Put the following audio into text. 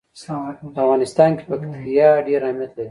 په افغانستان کې پکتیا ډېر اهمیت لري.